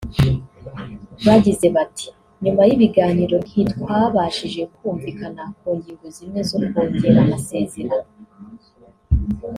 Bagize bati “ Nyuma y’ibiganiro ntitwabashije kumvikana ku ngingo zimwe zo kongera amasezerano